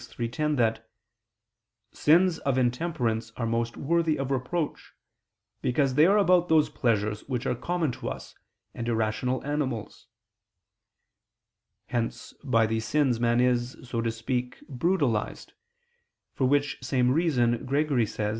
iii, 10) that "sins of intemperance are most worthy of reproach, because they are about those pleasures which are common to us and irrational animals": hence, by these sins man is, so to speak, brutalized; for which same reason Gregory says (Moral.